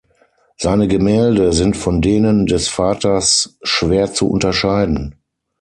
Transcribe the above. Seine Gemälde sind von denen des Vaters schwer zu unterscheiden.